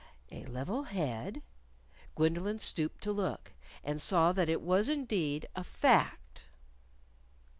A level head? Gwendolyn stooped to look. And saw that it was indeed a fact!